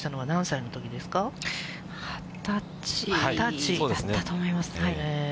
２０歳だったと思います。